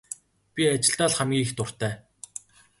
Би ажилдаа л хамгийн их дуртай.